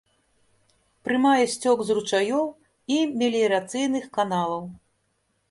Прымае сцёк з ручаёў і меліярацыйных каналаў.